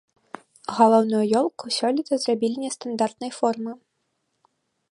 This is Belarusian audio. Галоўную ёлку сёлета зрабілі нестандартнай формы.